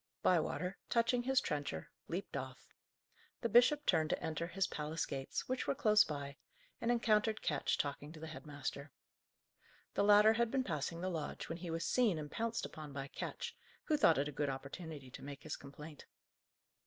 Bywater, touching his trencher, leaped off. The bishop turned to enter his palace gates, which were close by, and encountered Ketch talking to the head master. The latter had been passing the lodge, when he was seen and pounced upon by Ketch, who thought it a good opportunity to make his complaint.